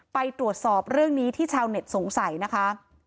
ไปตรวจสอบเรื่องนี้ที่ชาวเน็ตสงสัยนะคะ